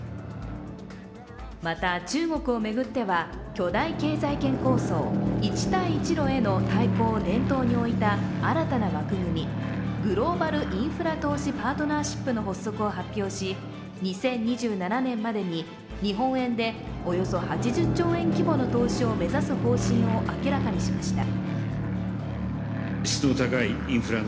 また、中国を巡っては、巨大経済構想・一帯一路への対抗を念頭に置いた新たな枠組み、グローバル・インフラ投資パートナーシップの発足を発表し２０２７年までに日本円でおよそ８０兆円規模の投資を目指す方針を明らかにしました。